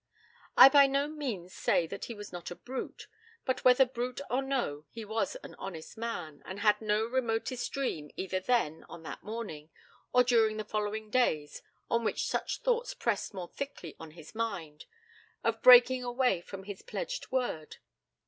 I by no means say that he was not a brute. But whether brute or no he was an honest man, and had no remotest dream, either then, on that morning, or during the following days on which such thoughts pressed more thickly on his mind of breaking away from his pledged word.